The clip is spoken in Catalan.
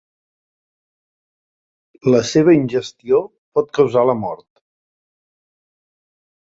La seva ingestió pot causar la mort.